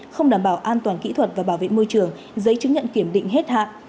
không đảm bảo an toàn kỹ thuật và bảo vệ môi trường giấy chứng nhận kiểm định hết hạn